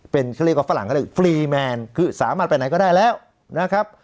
เป็นเขาเรียกว่าฝรั่งเขาเรียกฟรีแมนคือสามารถไปไหนก็ได้แล้วนะครับ